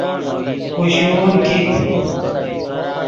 کوشون کیت